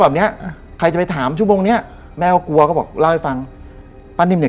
ป้านิมบอกป้านิมบอกป้านิมบอกป้านิมบอกป้านิมบอกป้านิมบอกป้านิมบอก